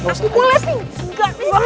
aku boleh pinjam